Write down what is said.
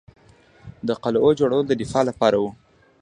د قلعو جوړول د دفاع لپاره وو